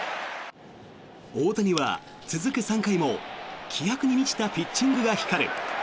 大谷は、続く３回も気迫に満ちたピッチングが光る。